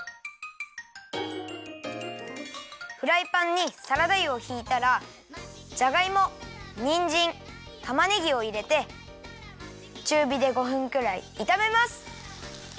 フライパンにサラダ油をひいたらじゃがいもにんじんたまねぎをいれてちゅうびで５分くらいいためます。